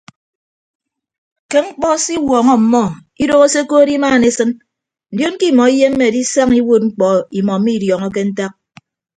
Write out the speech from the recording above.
Ke mkpọ se iwuọñọ ọmmọ idooho se ekood imaan esịn ndion ke imọ iyemme edisaña iwuod mkpọ imọ mmidiọọñọke ntak.